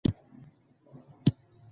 ماشوم د استاد خبرې په دقت اوري